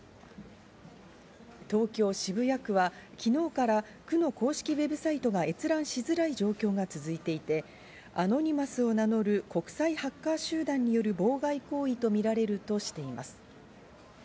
東京・渋谷区は昨日から区の公式ウェブサイトが閲覧しづらい状況が続いていて、アノニマスを名乗る国際ハッカー集団による妨害行為と見られるとしています。